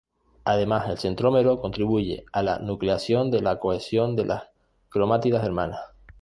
Además, el centrómero contribuye a la nucleación de la cohesión de las cromátidas hermanas.